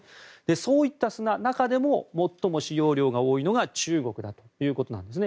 そういった砂中でも最も使用量が多いのが中国だということなんですね。